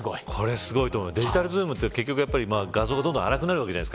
デジタルズームって、結局画像がどんどん粗くなるんです。